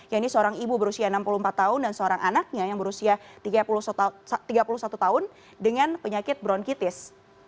yaitu seorang ibu berusia enam puluh empat tahun dan seorang anaknya yang berusia tiga puluh satu tahun dengan penyakit bronkitis